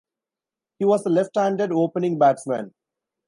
He was a left-handed opening batsman.